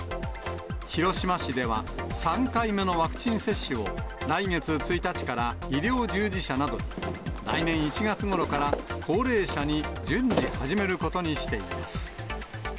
広島市では、３回目のワクチン接種を来月１日から医療従事者などに、来年１月ごろから高齢者に順次始めることにしています。